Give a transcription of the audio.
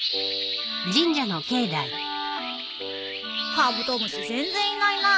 カブトムシ全然いないな。